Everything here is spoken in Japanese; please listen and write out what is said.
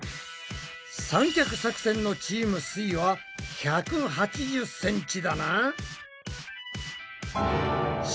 三脚作戦のチームすイは１８０ｃｍだな。